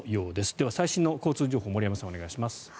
では、最新の交通情報を森山さん、お願いします。